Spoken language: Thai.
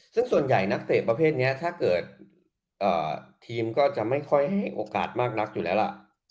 ซึ่งส่วนใหญ่นักเตะประเภทนี้ถ้าเกิดทีมก็จะไม่ค่อยให้โอกาสมากนักอยู่แล้วล่ะ